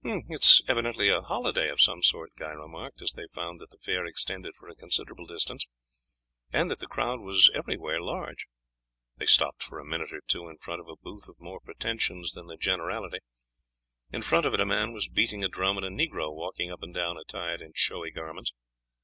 "It is evidently a holiday of some sort," Guy remarked, as they found that the fair extended for a considerable distance, and that the crowd was everywhere large. They stopped for a minute or two in front of a booth of more pretensions than the generality. In front of it a man was beating a drum, and a negro walking up and down attired in showy garments.